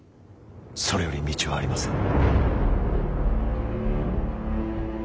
それより道はありません。